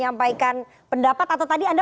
mbak rizki dulaiana